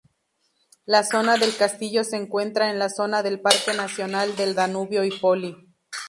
La zona del castillo se encuentra en la zona del Parque Nacional del Danubio-Ipoly.